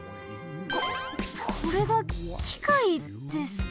ここれがきかいですか。